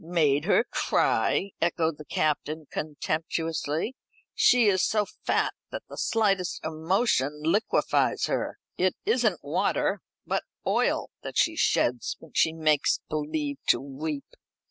"Made her cry!" echoed the Captain contemptuously. "She is so fat that the slightest emotion liquefies her. It isn't water, but oil that she sheds when she makes believe to weep."